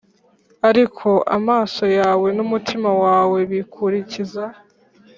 Ariko amaso yawe n umutima wawe bikurikiza